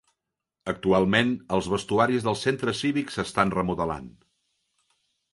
Actualment, els vestuaris del Centre Cívic s'estan remodelant.